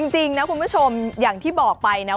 จริงนะคุณผู้ชมอย่างที่บอกไปนะ